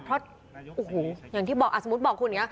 อย่างที่บอกอาจมู้นบอกคุณ